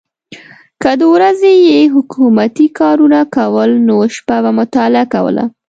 که د ورځې یې حکومتي کارونه کول نو شپه به مطالعه کوله.